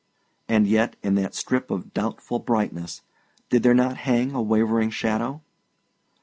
And yet, in that strip of doubtful brightness, did there not hang wavering a shadow?